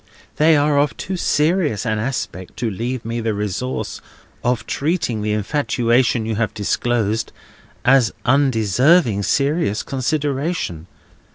They are of too serious an aspect to leave me the resource of treating the infatuation you have disclosed, as undeserving serious consideration.